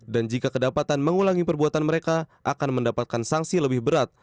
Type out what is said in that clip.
dan jika kedapatan mengulangi perbuatan mereka akan mendapatkan sanksi lebih berat